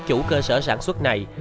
chủ cơ sở sản xuất này